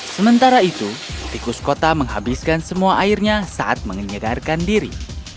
sementara itu tikus kota menghabiskan semua airnya saat menyegarkan diri